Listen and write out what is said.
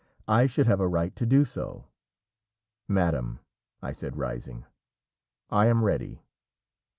I should have a right to do so." "Madam," I said, rising, "I am ready."